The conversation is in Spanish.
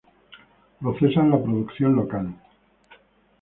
Procesan la producción local.